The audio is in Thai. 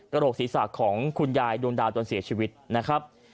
กระโรคศีรษะของคุณยายโดนดาวน์จนเสียชีวิตนะครับ